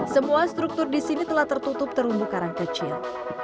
semua struktur di sini telah tertutup terumbu karang kecil